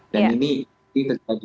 dan ini terjadi